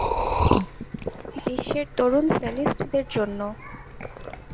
বিশ্বের তরুণ সেলিস্টদের জন্য।